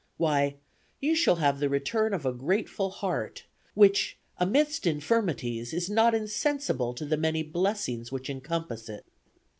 "Why, you shall have the return of a grateful heart, which amidst infirmities is not insensible to the many blessings which encompass it.